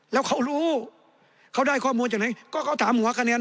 แล้วเขารู้เขาได้ข้อมูลจากไหนก็เขาถามหัวคะแนน